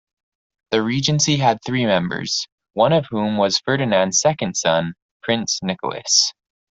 The regency had three members, one of whom was Ferdinand's second son, Prince Nicholas.